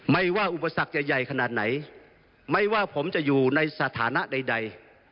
ไม่ว่าอุปสรรคจะใหญ่ขนาดไหนไม่ว่าผมจะอยู่ในสถานะใด